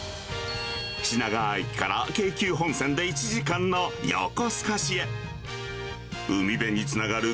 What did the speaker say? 品川駅から京急本線で１時間の横須賀市へ。